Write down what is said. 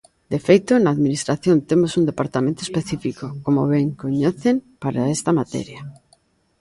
De feito, na Administración temos un departamento específico, como ben coñecen, para esta materia.